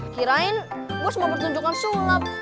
kirain gue semua pertunjukan sulap